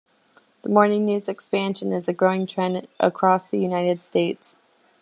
The morning news expansion is a growing trend across the United States.